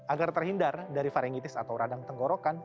agar terhindar dari varingitis atau radang tenggorokan